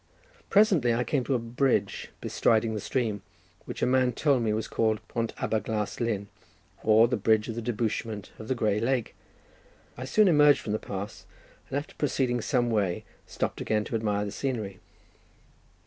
Presently I came to a bridge bestriding the stream, which a man told me was called Pont Aber Glâs Lyn, or the bridge of the debouchement of the grey lake. I soon emerged from the pass, and after proceeding some way, stopped again to admire the scenery.